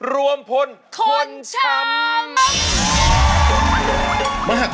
รวมพลคนช้ำ